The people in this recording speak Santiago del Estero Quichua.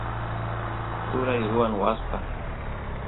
turay ruwan waska